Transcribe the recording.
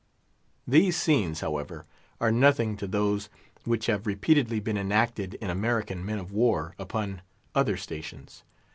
These scenes, however, are nothing to those which have repeatedly been enacted in American men of war upon other stations.